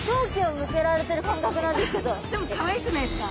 何かすごいでもかわいくないですか？